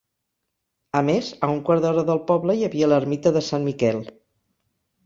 A més, a un quart d'hora del poble hi havia l'ermita de Sant Miquel.